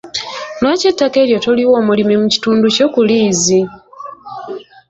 Lwaki ettaka eryo toliwa omulimi mu kitundu kyo ku liizi?